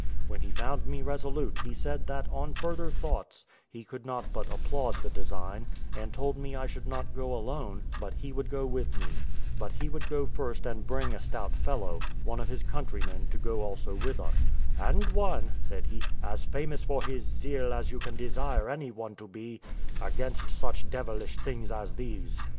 When he found me resolute he said that, on further thoughts, he could not but applaud the design, and told me I should not go alone, but he would go with me; but he would go first and bring a stout fellow, one of his countrymen, to go also with us; "and one," said he, "as famous for his zeal as you can desire any one to be against such devilish things as these."